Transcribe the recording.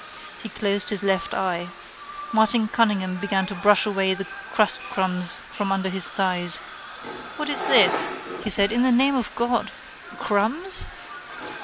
He closed his left eye. Martin Cunningham began to brush away crustcrumbs from under his thighs. —What is this, he said, in the name of God? Crumbs?